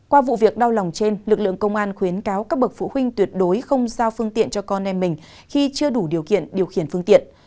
qua vụ việc đau lòng trên lực lượng công an khuyến cáo các bậc phụ huynh tuyệt đối không giao phương tiện cho con em mình khi chưa đủ điều kiện điều khiển phương tiện